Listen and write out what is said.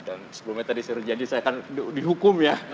dan sebelumnya tadi seru jadi saya akan dihukum ya